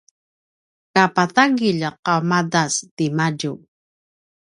kapatagilj qaumadas timadju